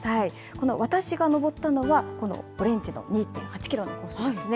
この私が登ったのは、このオレンジの２．８キロのコースですね。